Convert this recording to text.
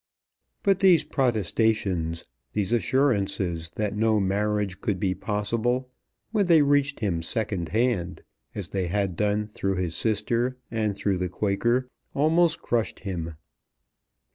But these protestations, these assurances that no marriage could be possible, when they reached him second hand, as they had done through his sister and through the Quaker, almost crushed him.